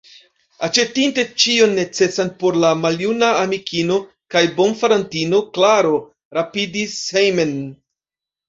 Aĉetinte ĉion necesan por la maljuna amikino kaj bonfarantino, Klaro rapidis hejmen.